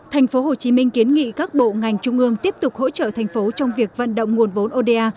tp hcm kiến nghị các bộ ngành trung ương tiếp tục hỗ trợ thành phố trong việc vận động nguồn vốn oda